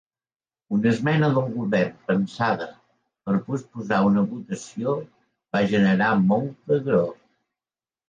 Una esmena del govern pensada per posposar una votació va generar molta agror.